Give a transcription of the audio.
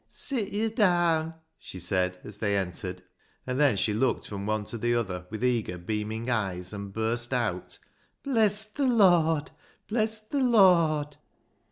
" Sit yo' daan," she said, as they entered, and then she looked from one to the other with eager, beaming eyes, and burst out, " Bless th' Lord ! Bless th' Lord